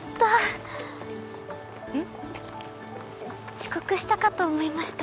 遅刻したかと思いました。